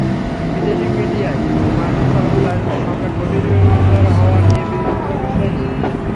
বিদেশি মিডিয়ায় বাংলাদেশের চলমান রাজনৈতিক সংকট গভীরতর হওয়া নিয়ে কোনো বিস্ময় নেই।